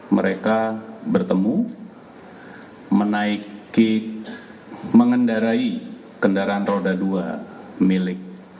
mereka bertemu menaiki mengendarai kendaraan roda dua milik